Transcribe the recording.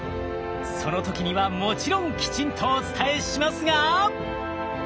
その時にはもちろんきちんとお伝えしますが。